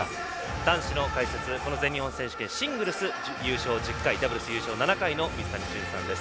男子の解説、全日本選手権シングルス優勝１０回ダブルス優勝７回の水谷隼さんです。